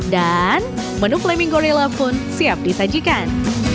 dan menu flaming gorilla pun siap disajikan